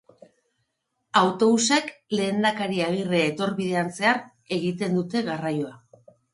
Autobusek Lehendakari Agirre etorbidean zehar egiten dute garraioa.